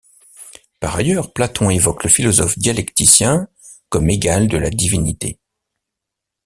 Par ailleurs, Platon évoque le philosophe dialecticien comme égal de la divinité.